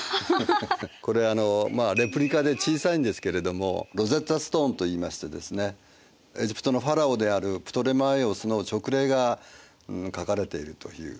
これはレプリカで小さいんですけれどもロゼッタ・ストーンといいましてですねエジプトのファラオであるプトレマイオスの勅令が書かれているという。